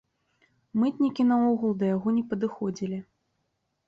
Мытнікі наогул да яго не падыходзілі.